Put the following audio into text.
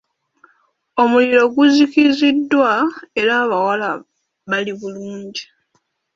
Omuliro guzikiziddwa era abawala bali bulungi.